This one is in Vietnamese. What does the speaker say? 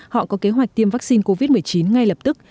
họ có kế hoạch tiêm vaccine covid một mươi chín ngay lập tức